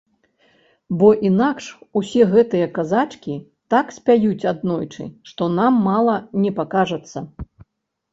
Бо інакш усе гэтыя казачкі так спяюць аднойчы, што нам мала не пакажацца.